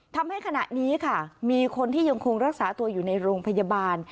ทำให้ขณะนี้ค่ะมีคนที่ยังคงรักษาตัวอยู่ในโรงพยาบาล